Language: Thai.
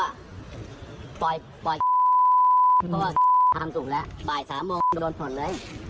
บ่ายสามโมงก็ปู๊บพระชาตรีโดนถอนเลย